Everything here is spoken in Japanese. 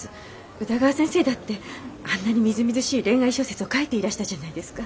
宇田川先生だってあんなにみずみずしい恋愛小説を書いていらしたじゃないですか。